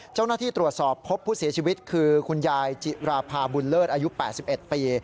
เจ้าหน้าที่ตรวจสอบพบผู้เสียชีวิตคือคุณยายจิราภาบุญเลิศอายุ๘๑ปี